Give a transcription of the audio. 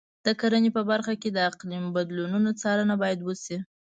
د کرنې په برخه کې د اقلیم بدلونونو څارنه باید وشي.